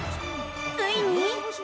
ついに。